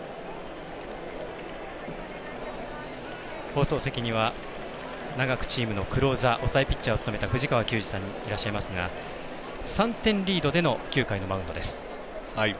放送席には長くチームのクローザー抑えピッチャーを務めた藤川球児さんがいらっしゃいますが３点リードでの９回のマウンドです。